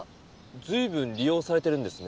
ずいぶん利用されてるんですね。